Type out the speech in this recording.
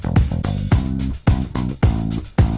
เอาละครับ